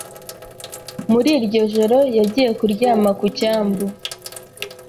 Muri iryo joro yagiye kuryama ku cyambu